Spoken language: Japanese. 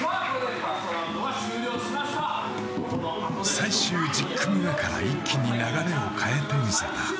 最終１０組目から一気に流れを変えてみせた。